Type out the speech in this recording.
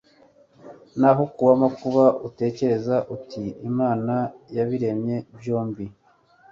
naho ku uw'amakuba utekereze uti imana yabiremye byombi